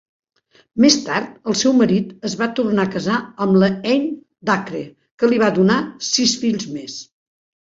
Més tard el seu marit es va tornar a casar amb Anne Dacre, que li va donar sis fills més.